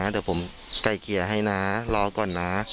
เดี๋ยวผมไก่เกลี่ยให้นะรอก่อนนะ